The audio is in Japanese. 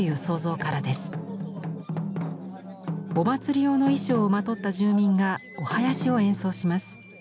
お祭り用の衣装をまとった住民がお囃子を演奏します。